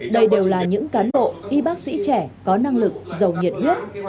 đây đều là những cán bộ y bác sĩ trẻ có năng lực giàu nghiện nhất